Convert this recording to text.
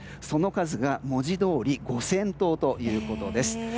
その数が文字どおり５０００頭ということです。